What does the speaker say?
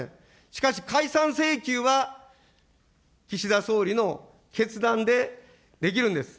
しかし解散請求は、岸田総理の決断でできるんです。